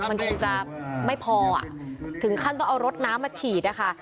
มันคงจะไม่พออ่ะถึงขั้นต้องเอารถน้ำมาฉีดนะคะ